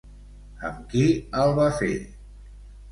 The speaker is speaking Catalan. Amb qui el va fer?